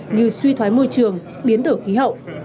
như suy thoái môi trường biến đổi khí hậu